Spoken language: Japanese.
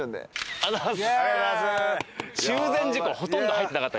ありがとうございます！